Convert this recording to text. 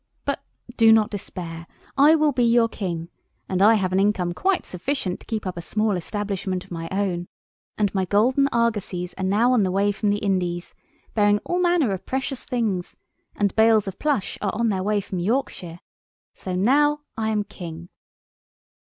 But, do not despair, I will be your King, and I have an income quite sufficient to keep up a small establishment of my own. And my golden argosies are now on the way from the Indies, bearing all manner of precious things, and bales of plush are on their way from Yorkshire. So now I am King."